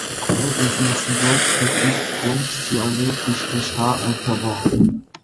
Quai es il seguond da quists cuors chi ha lö quista stà a Tavo.